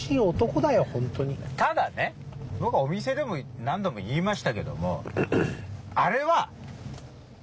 ただねボクはお店でも何度も言いましたけども。